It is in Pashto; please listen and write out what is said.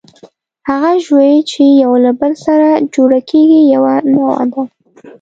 هغه ژوي، چې یو له بل سره جوړه کېږي، یوه نوعه ده.